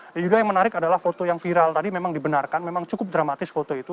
dan juga yang menarik adalah foto yang viral tadi memang dibenarkan memang cukup dramatis foto itu